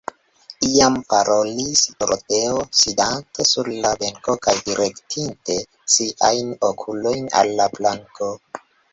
Iam parolis Doroteo, sidante sur la benko kaj direktinte siajn okulojn al la planko.